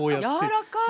やわらかい。